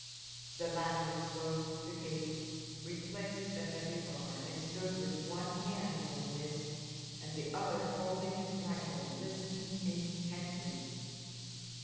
The latter closed the gate, replaced the heavy bar, and stood with one hand on this and the other holding his rifle, listening intently.